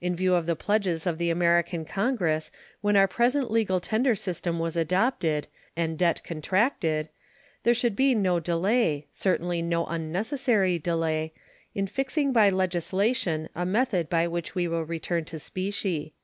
In view of the pledges of the American Congress when our present legal tender system was adopted, and debt contracted, there should be no delay certainly no unnecessary delay in fixing by legislation a method by which we will return to specie.